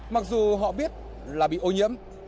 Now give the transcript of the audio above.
mặc dù họ biết là bị ô nhiễm